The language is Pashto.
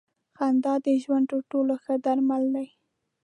خندا د ژوند تر ټولو ښه درمل دی.